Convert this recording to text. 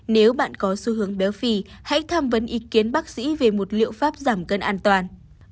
nếu bạn có xu hướng béo phì hãy tham vấn ý kiến bác sĩ về một liệu pháp giảm cân an toàn